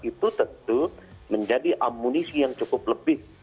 itu tentu menjadi amunisi yang cukup lebih